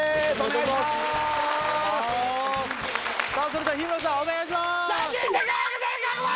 それでは日村さんお願いします